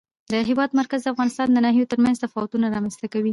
د هېواد مرکز د افغانستان د ناحیو ترمنځ تفاوتونه رامنځته کوي.